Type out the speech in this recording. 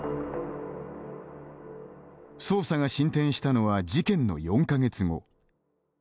捜査が進展したのは事件の４か月後。